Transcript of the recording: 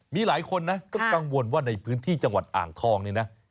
มีหลายคนนะก็กังวลว่าในพื้นที่จังหวัดอ่างทองเนี่ยนะ